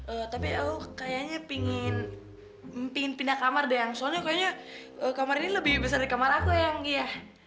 eh tapi aku kayaknya pengen pindah kamar deh soalnya kayaknya kamar ini lebih besar dari kamar aku yang iya